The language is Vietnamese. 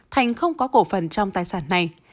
thành không có cổ phần trong tài sản này